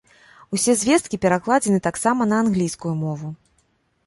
Усе звесткі перакладзены таксама на англійскую мову.